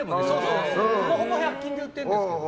ほぼほぼ１００均で売ってるんです。